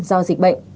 do dịch bệnh